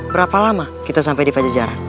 berapa lama kita sampai di pajajaran